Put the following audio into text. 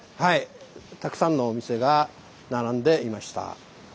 たくさんのお店が並んでいました。